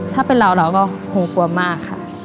ถ้าเป็นเราเราก็คงกลัวมากค่ะ